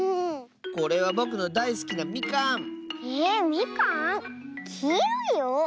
これはぼくのだいすきなみかん！えみかん？きいろいよ。